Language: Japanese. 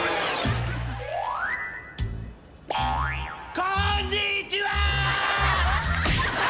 こんにちは！